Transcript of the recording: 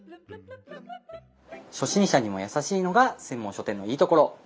初心者にも優しいのが専門書店のいいところ。